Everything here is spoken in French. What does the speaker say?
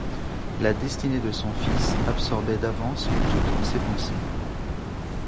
La destinée de son fils absorbait d'avance toutes ses pensées.